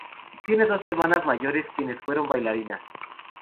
Tiene dos hermanas mayores, quienes fueron bailarinas.